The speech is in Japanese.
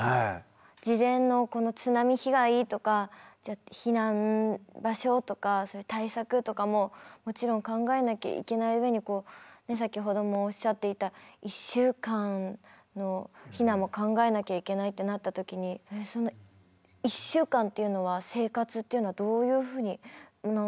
事前のこの津波被害とかじゃあ避難場所とかそういう対策とかももちろん考えなきゃいけない上に先ほどもおっしゃっていた１週間の避難も考えなきゃいけないってなった時にその１週間というのは生活というのはどういうふうに。